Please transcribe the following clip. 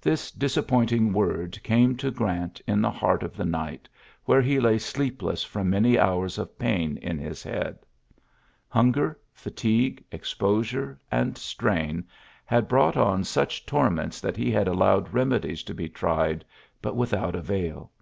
This disappoiating word came to Grant in the heart of the night, where he lay sleepless from many hours of pain in his head. Hunger, fatigue, exposure, and strain had brought on such torments that he had allowed remedies to be tried, but without avail.